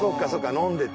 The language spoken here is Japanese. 飲んでて。